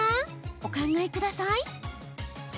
お考えください。